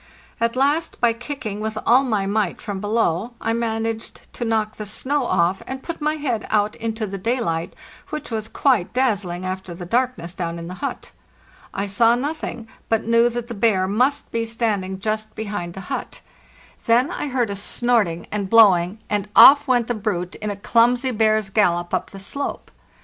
At last, by kicking with all my might from below, I managed to knock the snow off, and put my head out into the daylight, which was quite dazzling after the darkness down in the hut. I saw nothing, but knew that the bear must be standing just THE NEW YEAR, 1896 477 behind the hut. Then I heard a snorting and blowing, and off went the brute in a clumsy bear's gallop up the slope.